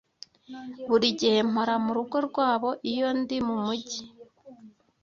Buri gihe mpora murugo rwabo iyo ndi mumujyi.